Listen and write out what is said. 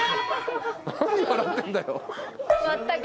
何笑ってんだよ。